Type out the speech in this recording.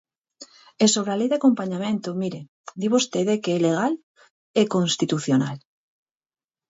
E sobre a Lei de acompañamento, mire, di vostede que é legal e constitucional.